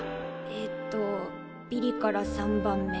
えっとビリから３番目。